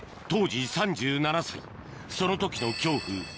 当時３７歳その時の恐怖